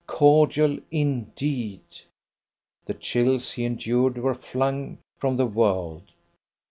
Cordial indeed, the chills he endured were flung from the world.